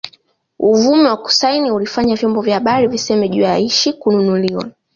Uvumi wa kusaini ulifanya vyombo vya habari viseme juu ya Aishi kununuliwa